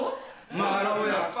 まろやか！